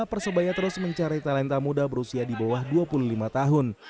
persebaya terus mencari talenta muda berusia di bawah dua puluh lima tahun